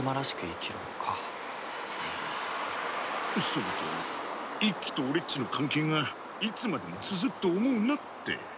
それと一輝と俺っちの関係がいつまでも続くと思うなって。